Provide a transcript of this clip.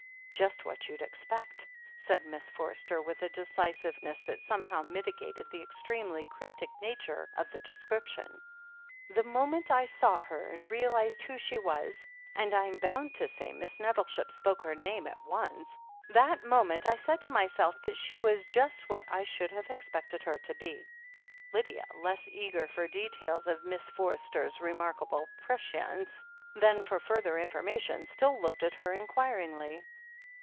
"Just what you'd expect/' said Miss Forster, with a decisiveness that somehow mitigated the extremely cryptic nature of the description. "The moment I saw her and realized who she was — ^and Fm bound to say Miss Nettleship spoke her name at once — ^that moment I said to myself that she was just what I should have expected her to be." Lydia, less eager for details of Miss Forster's re markable prescience than for further information, still looked at her inquiringly.